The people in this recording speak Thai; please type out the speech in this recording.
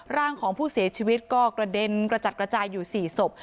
ร่างของผู้เสียชีวิตก็กระเด็นกระจัดกระจายอยู่๔ศพ